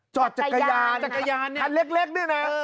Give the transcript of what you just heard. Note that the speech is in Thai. จอดจักรยานจักรยานนี่คันเล็กนี่แหละ